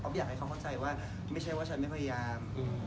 อยากให้เขาเข้าใจว่าไม่ใช่ว่าฉันไม่พยายาม